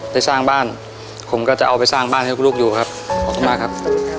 ได้สร้างบ้านผมก็จะเอาไปสร้างบ้านให้คุณลูกอยู่ครับขอบคุณมากครับ